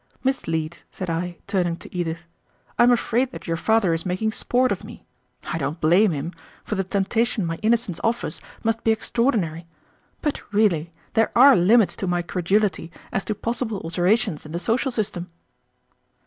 "Miss Leete," said I, turning to Edith, "I am afraid that your father is making sport of me. I don't blame him, for the temptation my innocence offers must be extraordinary. But, really, there are limits to my credulity as to possible alterations in the social system."